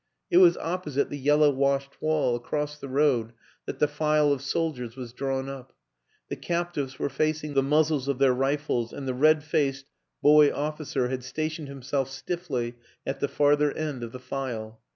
It was opposite the yellow washed wall, across the road, that the file of sol diers was drawn up; the captives were facing the muzzles of their rifles and the red faced boy of ficer had stationed himself stiffly at the farther end of the file.